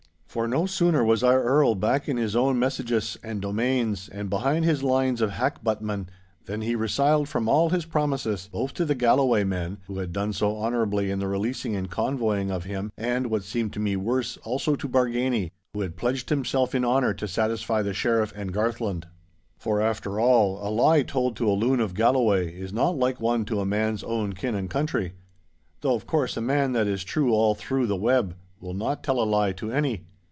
For no sooner was our Earl back in his own messuages and domains, and behind his lines of hackbuttmen, than he resiled from all his promises—both to the Galloway men, who had done so honourably in the releasing and convoying of him, and (what seemed to me worse) also to Bargany, who had pledged himself in honour to satisfy the Sheriff and Garthland. For after all, a lie told to a loon of Galloway is not like one to a man's own kin and country. Though, of course, a man that is true all through the web, will not tell a lie to any.